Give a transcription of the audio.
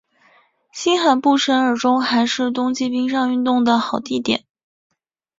新罕布什尔州还是冬季冰上运动的好地点。